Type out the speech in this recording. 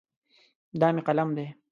دا مې قلم دی.